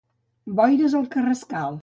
Boires al Carrascal